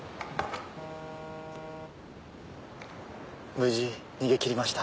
無事逃げ切りました。